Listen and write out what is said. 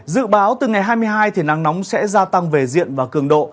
dự báo từ ngày hai mươi hai thì nắng nóng sẽ gia tăng về diện và cường độ